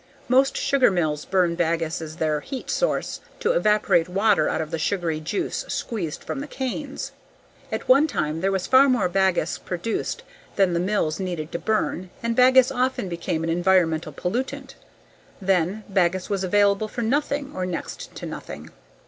Most sugar mills burn bagasse as their heat source to evaporate water out of the sugary juice squeezed from the canes. At one time there was far more bagasse produced than the mills needed to burn and bagasse often became an environmental pollutant. Then, bagasse was available for nothing or next to nothing.